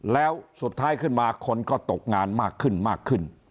แล้วสุดท้ายขึ้นมาคนก็ตกงานมากขึ้นมากขึ้น